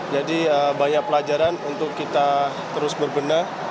jadi banyak pelajaran untuk kita terus berbenah